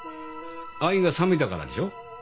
愛が冷めたからでしょ？